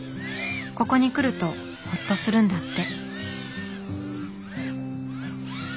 ここに来るとホッとするんだって。